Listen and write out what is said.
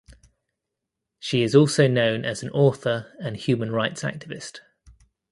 She is also known as an author and human rights activist.